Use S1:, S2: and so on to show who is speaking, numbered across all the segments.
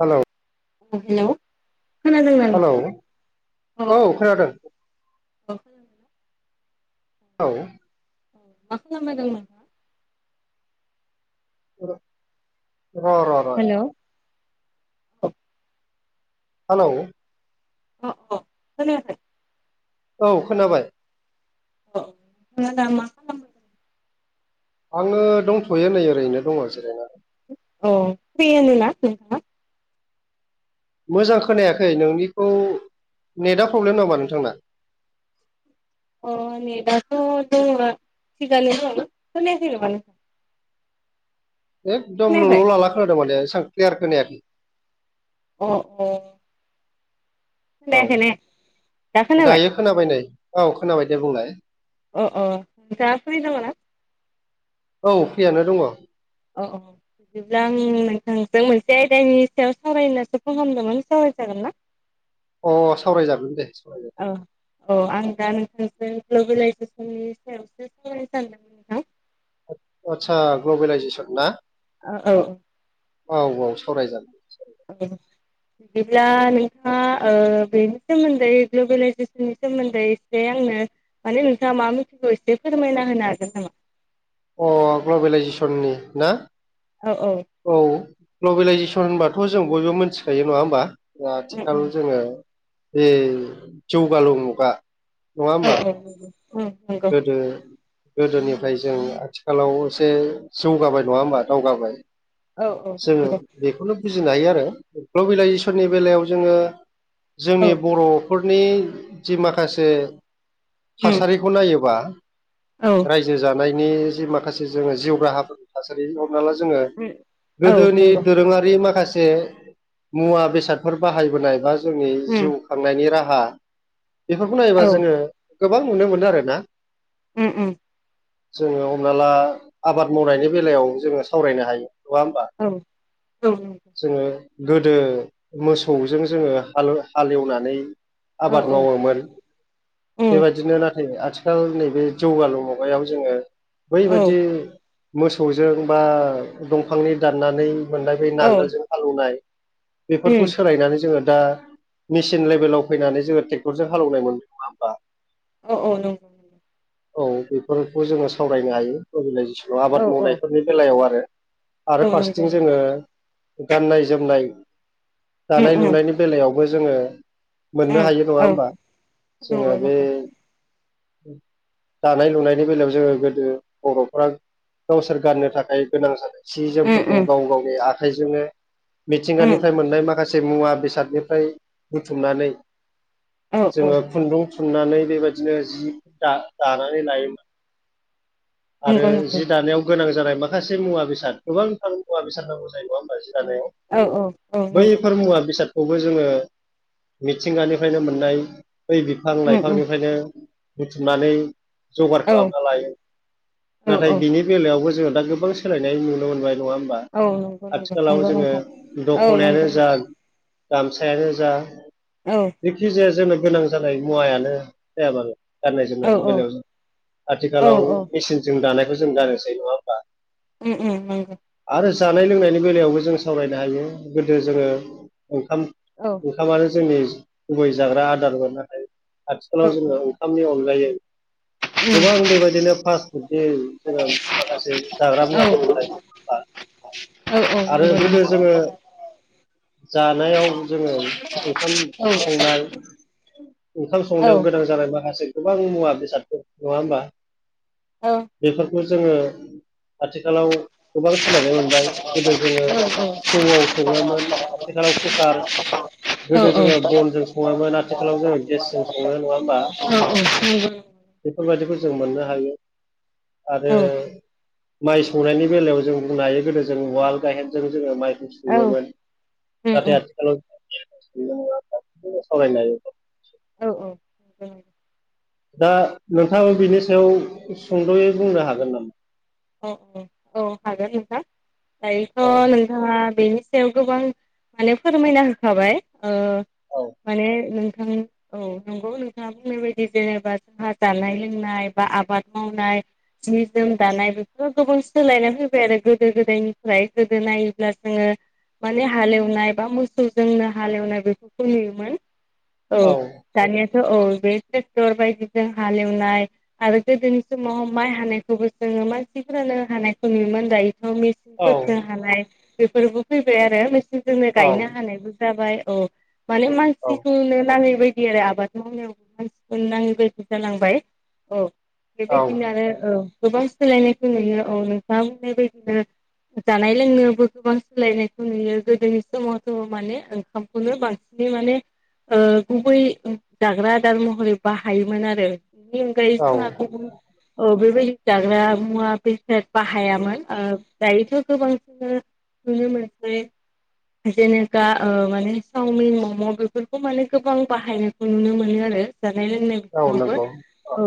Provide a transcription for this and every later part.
S1: Hello!
S2: उम hello. खोनादोंना
S1: hello
S2: नोंथां?
S1: औ खोनादों?
S2: औ
S1: औ।
S2: मा खालामनो नायदों
S1: र' र' र'
S2: हेलौ। अ
S1: हालौ।
S2: अ अ। खोनायाखै?
S1: औ खोनाबाय।
S2: अ दाम
S1: आङो दंथ'यो नै ओरैनो दङ जिरायना।
S2: अ फ्रियोनोना नोंथाङा?
S1: मोजां खोनायाखै नोंनिखौ नेटा प्रब्लेम नामा नोंथांना?
S2: अ नेटाथ' दंमोन थिगानो दंमोन ओमफाय मानो खोनायाखै नामा नो
S1: एकदम लल'
S2: खोनायाखै?
S1: लाला खोनादों माने एसबां क्लियार खोनायाखै।
S2: अ अ।
S1: औ
S2: खोनायाखै ने
S1: [inaudible] दायो खोनाबाय नै औ खोनाबाय दे बुंलाय?
S2: अ अ नोंथांआ फ्रि दङो ना?
S1: औ फ्रियानो दङ।
S2: अ अ बिदिब्ला आं नोंथांजों मोनसे आयदानि सायाव सावरायनोसो फन खामदोमोन सावराय जागोन ना? [inaudible]
S1: अ सावरायजागोन दे सावराय
S2: अ अ आं दा नोंथांजों ग्ल'बेेलाइजेसननि सायावसो सावरायनो सानदोंमोन। नोंथां।
S1: अ आतसा ग्ल'बेलायजेसन ना?
S2: अ औ
S1: औ औ सावराय जागोन।
S2: अ बिदिब्ला नोंथाङा ओ बेनि सोमोन्दै ग्लबेलाइजेसननि सोमोन्दै एसे आंनो माने नोंथाङा मा मिथिगौ एसे फोरमायना होनो हागोन नामा?
S1: अ ग्लबेलाइजेसननि ना?
S2: अ औ।
S1: औ ग्लबेेलाइजेसन होनबाथ' जों बयबो मिथिखायो नङा होमबा? दा
S2: उम
S1: आथिखाल
S2: उम
S1: जोङो बे जौगालु मुगा नङा होमबा?
S2: ओ [unintelligible]
S1: गोदो गोदोनिफ्राय जों आथिखालाव एसे जौगाबाय नङा होमबा दावगाबाय।
S2: औ औ
S1: जोङो
S2: नंगौ
S1: बेखौनो बुजिनो हायो आरो ग्लबेलाइजेसननि बेलायाव जोङो जोंनि
S2: औ
S1: बर'फोरनि जि माखासे
S2: उम
S1: थासारि नायोबा
S2: औ
S1: रायजो जानायनि जि माखासे जोङो जिउ राहाफोर थासारि हमना ला जोङो
S2: उम औ
S1: गोदोनि
S2: नंगौ
S1: दोरोङारि माखासे मुवा बेसादफोर बाहायबोनाय बा जोंनि जिउ
S2: उम
S1: खांनायनि राहा बेफोरखौ नायोबा
S2: औ
S1: जोङो गोबां नुनो मोनो आरो ना।
S2: उम उम
S1: जोङो हमना ला आबाद मावनायनि बेलायाव जोङो सावरायनो हायो नङा होमबा?
S2: औ ओ
S1: जोङो गोदो मोसौजों जोङो हाल हालेवनानै
S2: औ
S1: आबाद
S2: उम
S1: मावोमोन
S2: औ
S1: बेबायदिनो नाथ थाय आथिखाल नैबे जौगालु मुगायाव जोङो बैबायदि मोसौजों बा दंफांनि दाननानै मोननाय बै नांगोलजों हालेवनाय बेफोरखौ सोलायनानै जोङो दा मेसिन लेभेलाव फैनानै जोङो ट्रेक्टरजों हालेवनाय मोन
S2: अ अ नं
S1: औ बेफोरखौ जोङो सावरायनो हायो ग्लबेलाइजेसनाव
S2: औ
S1: आबाद मावनायफोरनि बेलायाव आरो आरो
S2: औ नंगौ
S1: फारसेथिं जोङो गाननाय जोमनाय
S2: उम
S1: दानाय
S2: उम
S1: लुनायनि बेलायावबो जोङो
S2: उम
S1: मोननो हायो नङा
S2: औ
S1: होमबा
S2: नंगौ
S1: जोङो बे
S2: नंगौ
S1: दानाय लुनायनि बेलायाव जोङो गोदो बर'फोरा गावसोर गाननो थाखाय गोनां जादों। सि
S2: उम
S1: जोमफोरखौ
S2: उम
S1: गाव गावनि आखाइजोंनो
S2: उम
S1: मिथिंगानिफ्राय मोननाय माखासे मुवा बेसादनि फ्राय बुथुमनानै
S2: औ औ
S1: जोङो खुन्दुं थुननानै बेबायदि सेस दा दानानै लायो आरो
S2: नंगौ नंगौ
S1: जि दानायाव गोनां जानाय माखासे मुवा बेसाद गोबांथार मुवा बेसाद नांगौ जायो नङा होमबा जि दानायाव
S2: औ औ औ नंगौ
S1: बैफोर मुवा बिसाद खौबो जोङो मिथिंगानिफ्रायनो मोननाय बै बिफां
S2: उम उम
S1: लाइफांनिफ्रायनो बुथुमनानै जगार
S2: औ
S1: खालामना लायो।
S2: औ
S1: नाथाय
S2: औ
S1: बिनि बेलायावबो जोङो दा गोबां सोलायनाय नुनो मोनबाय नङा होमबा?
S2: औ नंगौ नंगौ
S1: आथिखालाव
S2: नंगौ
S1: जोङो
S2: नोंथां औ नंगौ
S1: दख'नायानो जा गामसायानो जा
S2: औ
S1: जेखिजाया जोंनो गोनां जानाय मुवायानो जाया मानो गाननाय
S2: औ
S1: जोमनायनि बेलायाव जों
S2: औ
S1: आथिखालाव
S2: औ
S1: मिचिनजों दानायखौ जों गानोसै नङा होमबा?
S2: उम उम उम उम
S1: आरो जानाय लोंनायनि बेलायावबो जों सावरायनो हायो गोदो जोङो। ओंखाम
S2: औ
S1: ओंखामानो जोंनि गुबै जाग्रा आदारमोन नाथाय आथिखालाव
S2: उम औ
S1: जोङो ओंखामनि अनगायै
S2: औ
S1: गोबां बेबायदिनो [unintelligible] जोङो माखासे जाग्रा
S2: औ नंगौ
S1: मुवा
S2: नंगौ औ
S1: आरो
S2: नंगौ औ उम औ
S1: गोदो जोङो जानायाव जोङो ओंखाम संनाय ओंखाम संनायाव गोनां जानाय माखासे गोबां मुवा बेसादफोर नङा होमबा?
S2: औ
S1: बेफोरखौ जोङो आथिखालाव गोबां सोलायनाय मोनबाय। गोदो जोङो
S2: हागोन
S1: थौआव सङोमोन आथिखालाव कुकार गोदो जोङो बनजों सङोमोन। आथिखालाव जोङो गेसजों सङो नङा होमबा?
S2: औ औ नंगौ।
S1: बेफोरबायदिखौ जों मोननो हायो। आरो माइ सौनायनि बेलायाव जों बुंनो हायो। गोदो जों उवाल गाहेनजों जोङो माइखौ सौवोमोन। नाथाय आथिखालाव [unintelligible] सावरायनो हायो।
S2: औ औ औ
S1: दा नोंथाङाबो बिनि सायाव सुंद'यै बुंनो हागोन नामा?
S2: औ औ औ हागोन नोंथां। दायोथ'
S1: औ
S2: नों ओ बेनि सायाव गोबांआनो फोरमायना होखाबाय। ओ
S1: औ
S2: माने नोंथां औ नंगौ नोंथाङा बुंनाय बायदि जेनेबा जोंहा जानाय लोंनाय बा आबाद मावनाय जि जोम दानायबो ओ गोबां सोलायना फैबाय आरो गोदो गोदायनिफ्राय गोदो नायोब्ला जोङो माने हालेवनाय बा मोसौजोंनो हालेवनाय बेफोरखौ नुयोमोन। औ दानियाथ' औ बे टेक्टर बायदिजों हालेवनाय आरो गोदोनि समाव माइ हानायखौबो जोङो मान सिफोरानो हानायखौ नुयोमोन। दायोथ'
S1: औ
S2: मेचिनफोरदो हानाय बेफोरबो फैबाय आरो मेचिन जोंनो गायनो हानायबो जाबाय औ माने
S1: औ
S2: मानसिखौनो नाङै बाय दि आरो आबाद मावनायावबो मानसिखौ नाङै बादि जालांबाय औ
S1: औ
S2: बेबायदिनो आरो औ गोबां सोलायनायखौ नुयो। औ नोंथाङा बुंनाय बायदिनो जानाय लोंनायावबो गोबां सोलायनायखौ नुयो गोदोनि समावथ' माने ओंखाम खौनो बांसिन माने ओ गुबै ओ जाग्रा आदार महरै बाहायोमोन आरो। बेनि अनगायै
S1: औ
S2: जोंहा गुबुन औ बेबायदि जाग्रा मुवा बेसाद बाहायामोन ओ दायोथ' गोबां जोङो नुनो मोनसै जेनेखा ओ माने सावमिन मम' बेफोरखौ माने गोबां बाहायनो खौ नुनो मोनो आरो जानाय लोंनाय
S1: औ
S2: फोरावबो
S1: नंगौ
S2: औ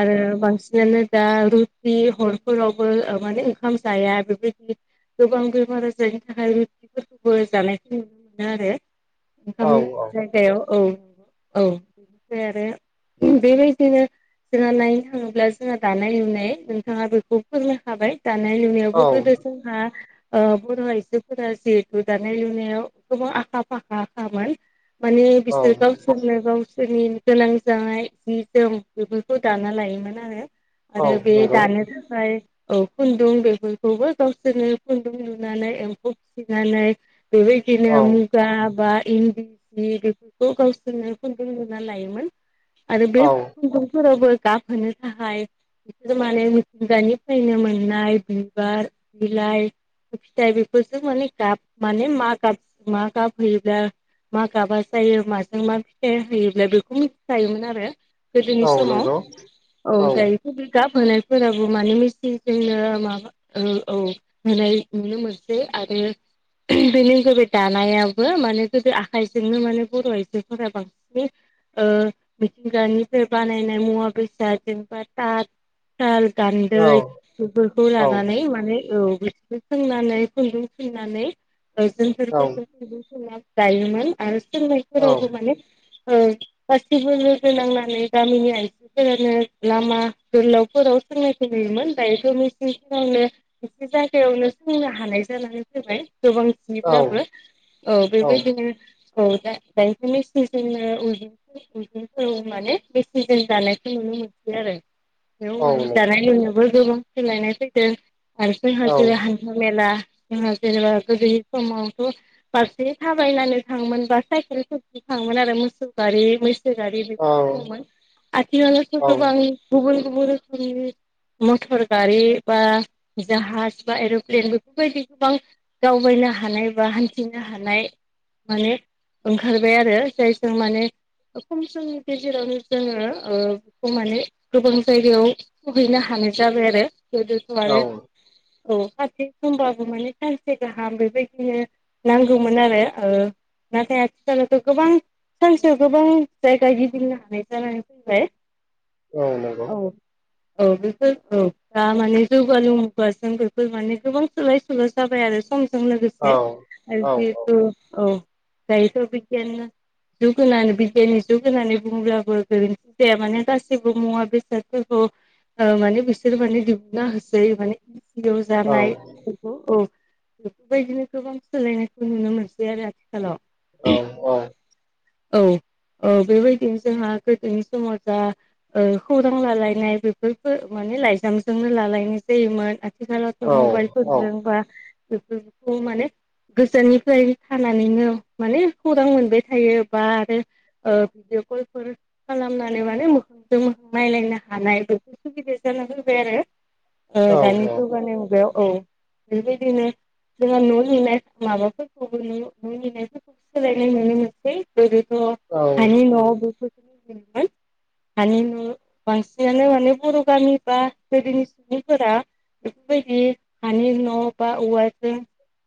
S2: आरो बांसिनानो दा रुटि हर फोरावबो ओ माने ओंखाम जाया बेफोरबायदि गोबां बेमार आजारनि थाखाय रुथिफोरखौबो जानायखौ नुनो मोनो आरो।
S1: औ
S2: ओंखामनि जायगायाव औ औ बेनिफ्राय आरो बेबायदिनो जोंहा नायनो थाङोब्ला जोंहा दानाय लुनाय नोंथाङाबो खौ फोरमायखाबाय दानाय
S1: औ
S2: लुनायावबो गोदो जोंहा ओ बर' आइजोफोरा जिहेथु दानाय लुनायाव गोबां आखा फाखा खामोन। मानि
S1: औ
S2: बिसोर गाव बुंनो गावसोरनि गोनां जानाय जि जोम बेफोरखौ दाना लायोमोन आरो।
S1: औ
S2: आरो बे
S1: नंगौ
S2: दानो फ्राय औ खुन्दुं बेफोरखौबो गावसोरनो खुन्दुं लुनानै एम्फौ फिसिनानै बेबाय दिनो
S1: औ
S2: मुगा बा इन्दि सि बेफोरखौ गावसोरनो खुन्दुं लुना लायोमोन। आरो
S1: औ
S2: बे खुन्दुंफोरावबो गाब होनो थाखाय बिसोर माने मिथिंगानिफ्रायनो मोननाय बिबार बिलाइ फिथाइ बेफोरजों माने गाब माने मा गाब मा गाब होयोब्ला मा गाबा जायो माजों मा फिथाइ होयोब्ला बेखौ मिथिखायोमोन आरो। गोदोनि
S1: औ
S2: समाव
S1: नंगौ
S2: औ दायोथ' बे गाब होनाय फोराबो मानो मिस्थि जोंनो माबा ओ औ होनाय नुनो मोनसै आरो बेनि गुबै दानायाबो माने गोदो आखायजोंनो माने बर' आइजोफोरा बांसिन ओ मिथिंगानिफ्राय बानायनाय मुवा बेसाद जेनेबा ताट साल गान्दै
S1: औ
S2: बेफोरखौ
S1: औ
S2: लानानै माने औ बिसोर सोंनानै खुन्दुं थुननानै [unintelligible] खुन्दुं
S1: नंगौ
S2: थुननानै दायोमोन आरो
S1: औ
S2: सोंनायफोरावबो माने ओ गासिबो लोगो नांनानै गामिनि आइजोफोरानो लामा गोलाव फोराव सोंनायखौ नुयोमोन दायोथ' मिसिंफोरावनो एसे जायगायावनो सोंनो हानाय जानानै फैबाय गोबां बिदिब्लाबो औ बेबायदिनो [unintelligible] माने मेसिनजों दानायखौ नुनो मोनसै आरो। बेयाव माने जानाय लोंनोबो गोबां सोलायनाय फैदों हारसिं हारसिं हान्था मेला जोंहा जेनेबा गोदो समावथ' फारसे थाबायनानै थाङोमोन बा साइकेलफोरजों थाङोमोन आरो मोसौ गारि मैसो मैसो गारि बेफोर दङमोन आथिखालाथ'
S1: औ नंगौ औ
S2: गोबां गुबुन गुबुन रोखोमनि मथर गारि बा जाहाज बा एर'प्लेन बेफोरबायदि गोबां दावबायनो हानाय बा हान्थिनो हानाय माने ओंखारबाय आरो जायजों माने खम समनि गेजेरावनो जोङो ओ माने गोबां जायगायाव सहैनो हानाय जाबाय आरो गोदोथ' आरो औ ससे समबाबो माने सानसे गाहाम बेबायदिनो नांगौमोन आरो ओ नाथाय आथिखालावथ' गोबां सानसेयाव गोबां जायगा गिदिंनो हानाय जानानै फैबाय।
S1: औ नंगौ।
S2: औ औ बेखौ औ। दा माने जौगालु मुगाजों बेफोर माने गोबां सोलाय सोलाय जाबाय आरो सम जों लोगोसे आरो जिहेथु औ दायोथ' बिगियान जुग होनानै बिगियाननि जुग होनानै बुङोब्लाबो गोरोन्थि जाया। माने गासिबो मुवा बे सादफोरखौ ओ माने बिसोर माने दिहुननो हासै माने [unintelligible] जानाय। बेफोरखौ औ बेफोरबायदिनो गोबां सोलायनायखौ नुनो मोनसै आरो आथिखालाव।
S1: औ औ।
S2: औ औ बेबायदिनो जोंहा गोदोनि समाव जा ओ खौरां लालायनाय बेफोरफोरखो माने लाइजामजोंनो लालायनाय जायोमोन। आथिखालावथ' मबाइल फोरजों बा बेफोरखौ माने गोजाननिफ्राय थानानैनो माने खौरां मोनबाय थायो बा आरो ओ भिडिअ कलफोर खालामनानै माने मोखांजों नायलायनो हानाय बेफोर सुबिदाया जाना फैबाय आरो। ओ दानि जौगानाय मुगायाव औ बेबायदिनो जोंहा न' लिरनाय माबाफोरखौबो न' लिरनायफोरखौ सोलायनाय नुनो मोनसै। गोदोथ' हानि न'आव बेफोरखौ [unintelligible] मोन हानि न' बांसिनानो माने बर' गामि बा गोदोनि सुबुंफोरा बेफोरबायदि हानि न' बा औवाजों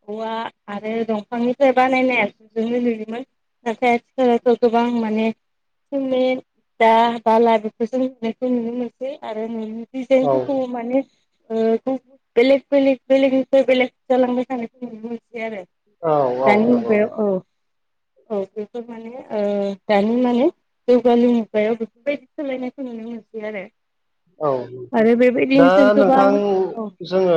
S2: औवा आरो दंफांनिफ्राय बानायना [unintelligible] लुयोमोन नाथाय आथिखालावथ' गोबां माने सिमेन्ट बा बाला फोरजों लुनायखौ नुनो मोनसै आरो न'नि डिजाइनफोरखौ माने ओ [unintelligible] बेलेग बेलेग बेलेगनिफ्राय बेलेग जालांबाय थानायखौ नुनो मोनसै आरो। दानि
S1: नंगौ
S2: मुगायाव औ। औ बेफोर माने ओ दानि माने जौगालु मुगायाव बेफोरबायदि सोलायनायखौ नुनो मोनसै आरो।
S1: औ
S2: आरो
S1: दा
S2: बेबायदिनो जों गोबां
S1: नोंथां
S2: औ।
S1: जोङो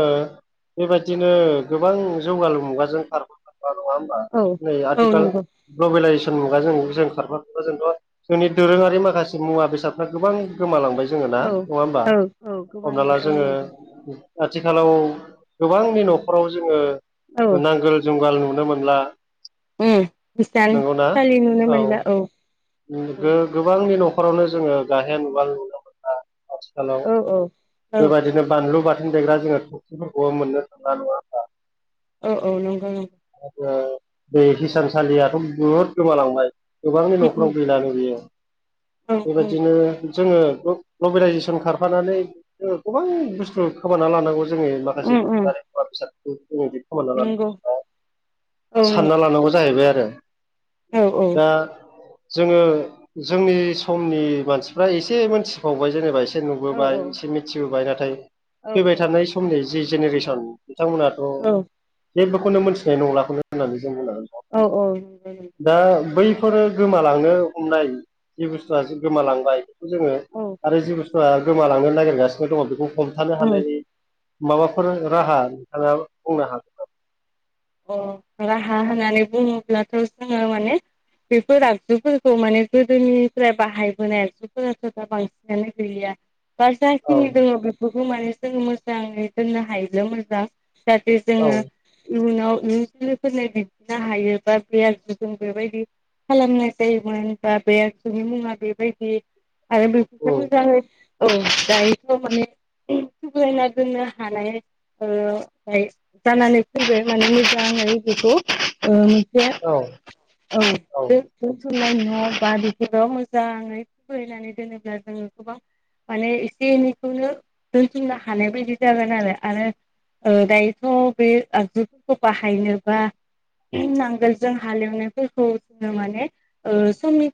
S1: बेबायदिनो गोबां जौगालु मुगाजों खारफा खारफा नङा हो
S2: औ
S1: नै
S2: औ
S1: आथिखाल
S2: नंगौ
S1: ग्लबेलाइजेसन मुगाजों जों खारफा खारफा जोंथ' जोंनि दोरोङारि माखासे मुबा बेसाद गोबां गोमालांबाय जोङो ना नङा
S2: औ
S1: होमबा?
S2: औ
S1: हमना ला
S2: गोमालांबाय औ
S1: जोङो
S2: नंगौ
S1: आथिखालाव गोबांनि न'खराव जोङो
S2: औ
S1: नांगोल जुंगाल नुनो मोनला।
S2: उम बिसानसालि नुनो मोनला औ।
S1: नु
S2: औ
S1: गो-गोबांनि न'खरावनो जोङो गायहेन उवाल नु खालाव
S2: औ औ
S1: बेबायदिनो बानलु बाथोन देग्रा जोङो थफिफोरखौबो मोननो थांना नङा होमबा?
S2: औ औ नंगौ नों
S1: आरो बे हिसानसालियाथ' बुहुद गोमालांबाय। गोबांनि
S2: उम उम
S1: न'खराव गैलाङो बेयो।
S2: औ
S1: बेबायदिनो जोङो ग्ल ग्लबेलाइजेसन खारफानानै जोङो गोबां बुस्थु खोमाना लानांगौ जोंनि माखासे
S2: उम उम
S1: मुवा बेसादफोरखौ जोङो बिदि खोमानना ला
S2: नंगौ औ
S1: सानना लानांगौ जाहैबाय आरो।
S2: नंगौ औ
S1: दा जोङो जोंनि समनि मानसिफ्रा एसे मोनथिबावबाय जेनेबा ए से
S2: औ औ
S1: नुबोबाय एसे मिथिबोबाय नाथाय
S2: औ
S1: फैबाय थानाय समनि जि जेनेरेसन बिथांमोना थ'
S2: औ
S1: जेबोखौनो मोनथिनाय नंलाखौनो होननानै जों बुंनांगोन न'
S2: औ औ नंगौ नों
S1: दा बैफोरो गोमालांनो हमनाय जि बुस्थुआ गोमालांबाय जोङो आरो जिबुसथुआ गोमालांनो नागिरगासिनो दङ बेखौ हमथानो
S2: उम
S1: हानायनि, माबाफोर राहा नोंथाङा बुंनो हागोन
S2: अ राहा होननानै बुङोब्लाथ' जोङो माने। बेफोर आगजुफोरखौ माने गोदोनिफ्राय बाहायबोनाय आगजुफोराथ' दा बांसिन। जानाय गैलिया। बा
S1: औ
S2: जाखिनि दङ बेफोरखौ माने जों मोजाङै दोननो हायोब्ला मोजां। जाहाथे
S1: औ
S2: जोङो। इयुनाव नों इयुन जोलैफोरनो बिदिनो हायो बा प्लेयार जों बेबायदि। खालामनाय जायोमोन होनबा बे आसुनि मुङा बेबायदि आरो बे
S1: औ
S2: मोजाङ औ दायोथ' माने। सुग्लायना दोननो हानाय ओ ओफाय जानानै। माने मोजाङै बिखौ ओ मोनसे
S1: औ
S2: औ
S1: औ
S2: [unintelligible] मोजाङै फरायनानै। जेनेब्ला जोङो गोबां माने एसे एनैखौनो दोनथुमनो हानाय बायदि जागोन आरो आरो ओ दायोथ' बे आगजुफोरखौ बाहायनोबा। नांगोल जों हालेवनायफोरखौ जोङो माने ओ समनि,